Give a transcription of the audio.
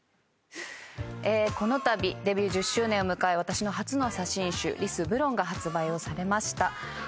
このたびデビュー１０周年を迎え私の初の写真集『Ｌｉｓｂｌａｎｃ』が発売をされました。